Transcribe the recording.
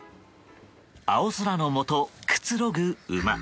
青空のもと、くつろぐ馬。